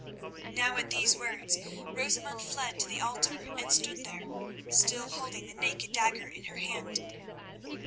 Now at these words Rosamund fled to the altar, and stood there, still holding the naked dagger in her hand.